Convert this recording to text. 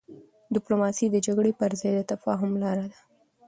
ډيپلوماسي د جګړي پر ځای د تفاهم لار ده.